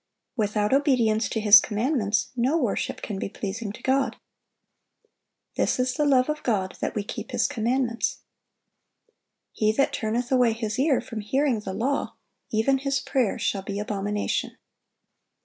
(724) Without obedience to His commandments, no worship can be pleasing to God. "This is the love of God, that we keep His commandments." "He that turneth away his ear from hearing the law, even his prayer shall be abomination."